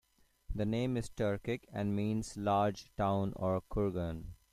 The name is Turkic and means "large town or kurgan".